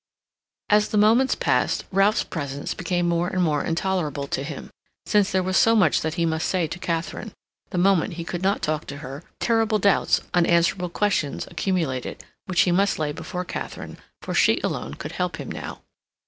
As the minutes passed, Ralph's presence became more and more intolerable to him, since there was so much that he must say to Katharine; the moment he could not talk to her, terrible doubts, unanswerable questions accumulated, which he must lay before Katharine, for she alone could help him now.